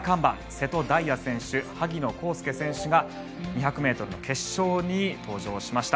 瀬戸大也選手、萩野公介選手が２００ｍの決勝に登場しました。